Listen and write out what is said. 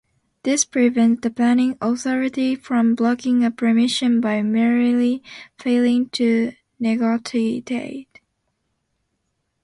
This prevents the planning authority from blocking a permission by merely failing to negotiate.